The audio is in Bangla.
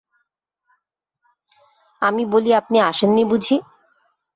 আমি বলি আপনি আসেন নি বুঝি।